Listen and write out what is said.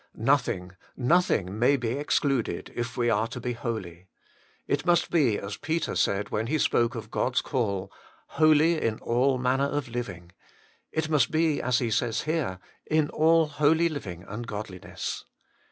Nothing, nothing may be ex cluded, if we are to be holy ; it must be as Peter said when he spoke of God's call holy in all manner of living; it must be as he says here ' in all holy living and godliness.'